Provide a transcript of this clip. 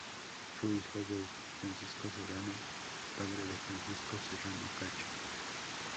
Fue hijo de J. Francisco Serrano y padre de Francisco Serrano Cacho.